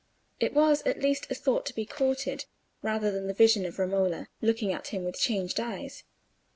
It was at least a thought to be courted, rather than the vision of Romola looking at him with changed eyes.